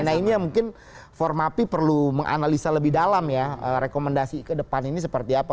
nah ini yang mungkin formapi perlu menganalisa lebih dalam ya rekomendasi ke depan ini seperti apa